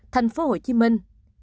thành phố hồ chí minh